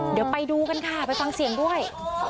เดี๋ยวไปดูกันค่ะไปฟังเสียงด้วย